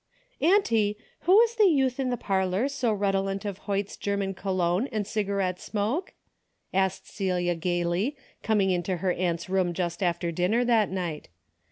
" Auntie, who is the youth in the parlor so redolent of Hoyt's German cologne and cigar ette smoke ?" asked Celia, gaily, coming into her aunt's room just after dinner that night.